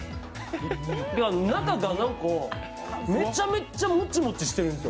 中がめちゃめちゃもちもちしてるんですよ。